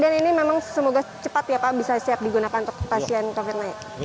dan ini memang semoga cepat ya pak bisa siap digunakan untuk pasien konfirmasi